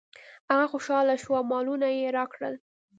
هغه خوشحاله شو او مالونه یې راکړل.